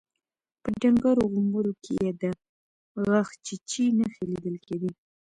په ډنګرو غومبرو کې يې د غاښچيچي نښې ليدل کېدې.